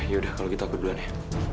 yaudah kalau gitu aku duluan ya